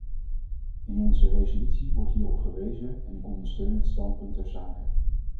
In onze resolutie wordt hierop gewezen en ik ondersteun het standpunt ter zake.